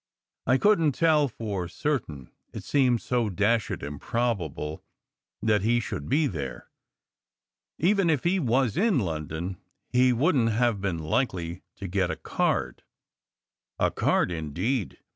I couldn t tell for certain, it seemed so dashed improbable that he should be there. Even if he was in London, he wouldn t have been likely to get a card " "A card, indeed